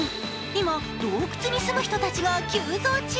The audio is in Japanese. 今、洞窟に住む人たちが急増中。